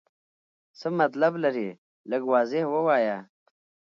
څه مطلب لرې ؟ لږ واضح ووایه.